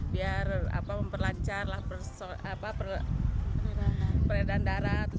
biar memperlancarlah peredaran darah